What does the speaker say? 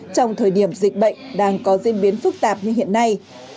trong thời điểm dịch bệnh đang có diễn biến phức tạp như hiện nay